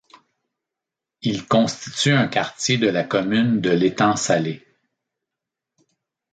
Ils constituent un quartier de la commune de L'Étang-Salé.